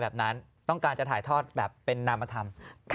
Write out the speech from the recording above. แบบนั้นต้องการจะถ่ายทอดแบบเป็นนามธรรม